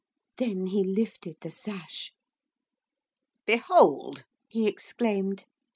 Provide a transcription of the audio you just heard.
Then he lifted the sash. 'Behold!' he exclaimed.